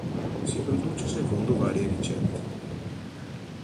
Si produce secondo varie ricette.